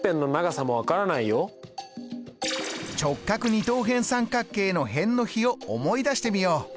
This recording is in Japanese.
直角二等辺三角形の辺の比を思い出してみよう！